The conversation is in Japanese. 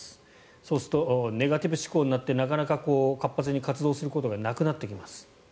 そうするとネガティブ思考になってなかなか活発に活動することがなくなってきます。